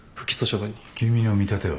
君の見立ては？